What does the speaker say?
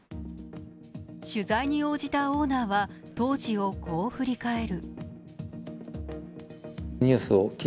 取材に応じたオーナーは当時をこう振り返る。